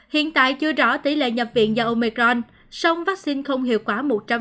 hiện tại chưa rõ tỷ lệ nhập viện do omicron sông vaccine không hiệu quả một trăm linh